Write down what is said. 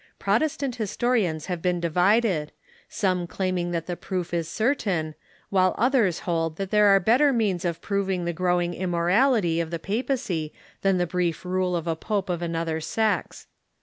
Protestant his torians have been divided, some claiming that the proof is cer tain, while others hold tliat there are better means of proving the growing immorality of the papacy than the brief rule of a l)ope of another sex.